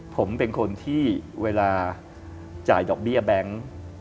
ผมเป็นคนที่เวลาจ่ายดอกเบี้ยแบงค์